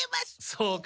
そうか。